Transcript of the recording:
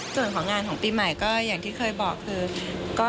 ส่วนของงานของปี่ใหม่ไปตรงนี้เลยค่ะ